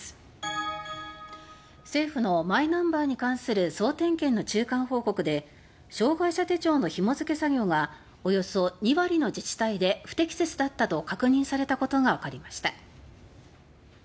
政府のマイナンバーに関する総点検の中間報告で障害者手帳の紐付け作業がおよそ２割の自治体で不適切だったと確認されたことがわかりました。